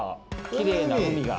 きれいな海が。